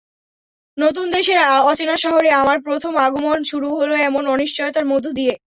নতুন দেশের অচেনা শহরে আমার প্রথম আগমন শুরু হলো এমন অনিশ্চয়তার মধ্য দিয়ে।